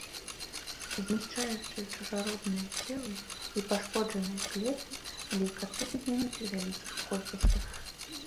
Знішчаючы чужародныя целы і пашкоджаныя клеткі, лейкацыты гінуць у вялікіх колькасцях.